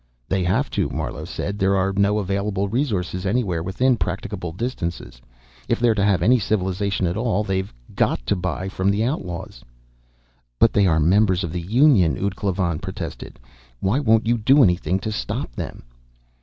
"They have to," Marlowe said. "There are no available resources anywhere within practicable distances. If they're to have any civilization at all, they've got to buy from the outlaws." "But they are members of the Union!" ud Klavan protested. "Why won't you do anything to stop them?"